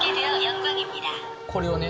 これをね